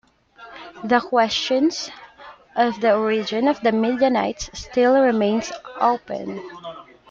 The question of the origin of the Midianites still remains open.